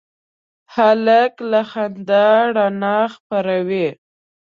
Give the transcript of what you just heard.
هلک له خندا رڼا خپروي.